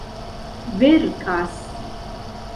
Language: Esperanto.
verkas